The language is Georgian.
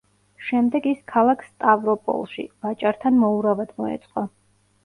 შემდეგ ის ქალაქ სტავროპოლში, ვაჭართან მოურავად მოეწყო.